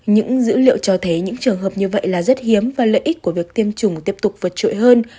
những dữ liệu cho thấy những trường hợp như vậy là rất hiếm và lợi ích của việc tiêm chủng tiếp tục vượt trội hơn